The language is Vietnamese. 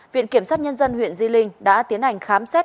viện kiểm sát nhân dân huyện di linh đã tiến hành khám xét